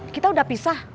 kita udah pisah